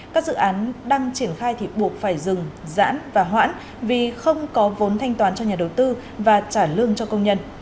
các dự án đang triển khai thì buộc phải dừng giãn và hoãn vì không có vốn thanh toán cho nhà đầu tư và trả lương cho công nhân